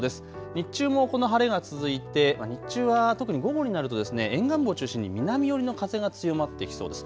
日中もこの晴れが続いて日中は特に午後になると沿岸部を中心に南寄りの風が強まってきそうです。